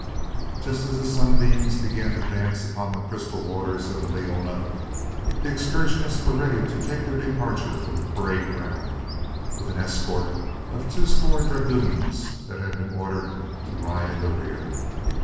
Just as the sunbeams began to dance upon the crystal waters of the Leona, the excursionists were ready to take their departure from the parade ground with an escort of two score dragoons that had been ordered to ride in the rear.